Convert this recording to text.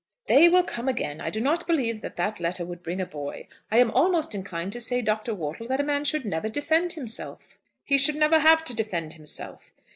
"They will come again. I do not believe that that letter would bring a boy. I am almost inclined to say, Dr. Wortle, that a man should never defend himself." "He should never have to defend himself."